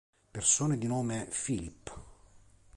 Persone di nome Philippe